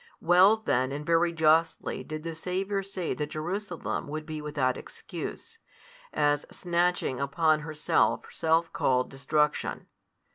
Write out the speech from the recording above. Well then and very justly did the Saviour say that Jerusalem would be without excuse, as |172 snatching upon herself self called destruction.